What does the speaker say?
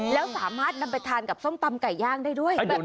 แล้วสามารถนำไปทานกับส้มตำไก่ย่างได้ด้วย